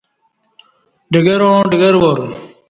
ڈگراں ڈگروار